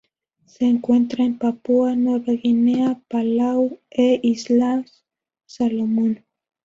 Se encuentra en Papúa Nueva Guinea, Palau e Islas Salomón.